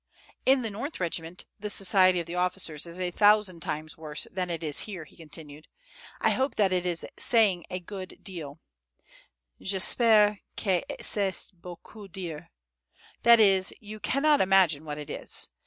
"In the N. regiment the society of the officers is a thousand times worse than it is here," he continued. "I hope that it is saying a good deal; J'ESPERE QUE C'EST BEAUCOUP DIRE; that is, you cannot imagine what it is.